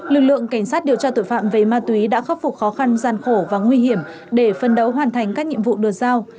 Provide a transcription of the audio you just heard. lực lượng cảnh sát điều tra tội phạm về ma túy đã khắc phục khó khăn gian khổ và nguy hiểm để phân đấu hoàn thành các nhiệm vụ được giao